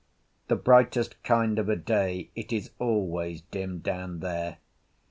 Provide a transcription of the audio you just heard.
The brightest kind of a day it is always dim down there.